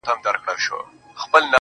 شراب لس خُمه راکړه، غم په سېلاب راکه,